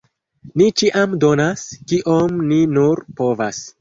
Ni ĉiam donas, kiom ni nur povas.